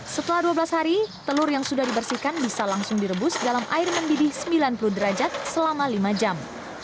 setelah dua belas hari telur yang sudah dibersihkan bisa langsung direbus dalam air mendidih sembilan puluh derajat selama lima jam